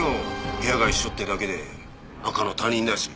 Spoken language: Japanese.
部屋が一緒ってだけで赤の他人だし。